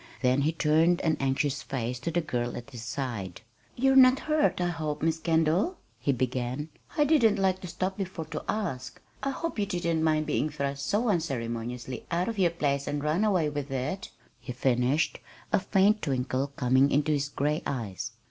Then he turned an anxious face to the girl at his side. "You're not hurt, I hope, Miss Kendall," he began. "I didn't like to stop before to ask. I hope you didn't mind being thrust so unceremoniously out of your place and run away with," he finished, a faint twinkle coming into his gray eyes.